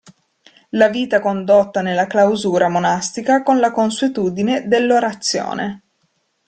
La vita condotta nella clausura monastica con la consuetudine dell'orazione.